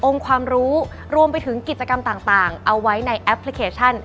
ความรู้รวมไปถึงกิจกรรมต่างเอาไว้ในแอปพลิเคชัน